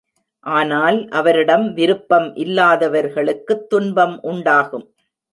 ஆனால் அவரிடம் விருப்பம் இல்லாதவர்களுக்குத் துன்பம் உண்டாகும்.